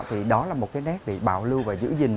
thì đó là một cái nét để bảo lưu và giữ gìn